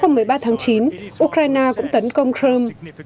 hôm một mươi ba tháng chín ukraine cũng tấn công trump